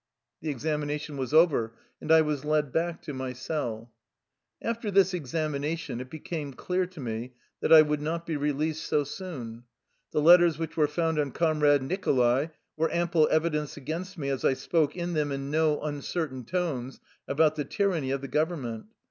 The examination was over, and I was led back to my cell. After this examination it became clear to me that I would not be released so soon. The letters which were found on Comrade Nicho lai were ample evidence against me, as I spoke in them, in no uncertain tones, about the tyranny of the government.